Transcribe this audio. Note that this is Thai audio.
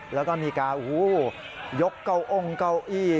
แล้วก็มีการยกเก้าอ้งเก้าอี้